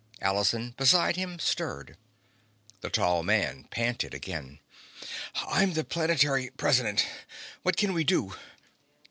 Allison, beside him, stirred. The tall man panted again: "I'm the planetary president. What can we do?"